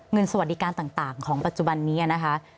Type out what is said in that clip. สวัสดีการต่างของปัจจุบันนี้นะคะ